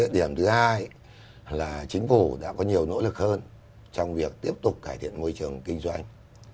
đó là cái điểm thứ hai là chính phủ đã có nhiều nỗ lực hơn trong việc tiếp tục cải thiện môi trường kinh doanh